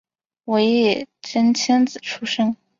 尾野真千子出身。